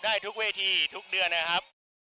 ได้ทุกเวทีทุกเดือนนะครับ